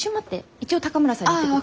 一応高村さんに言ってくる。